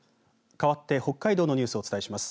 かわって北海道のニュースをお伝えします。